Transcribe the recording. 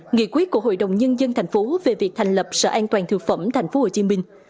nghị quyết của hội đồng nhân dân thành phố về việc thành lập sở an toàn thực phẩm thành phố hồ chí minh